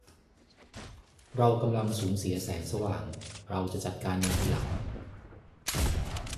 เรากำลังสูญเสียแสงสว่าง เราจะจัดการมันทีหลัง